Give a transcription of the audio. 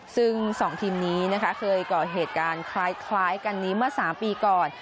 ซึ่ง๒ทีมนี้นะคะเคยก่อเหตุการณ์คล้ายกันนี้เมื่อ๓ปีก่อน